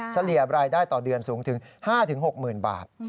เฉลี่ยรายได้ต่อเดือนสูงถึง๕๖๐๐๐บาท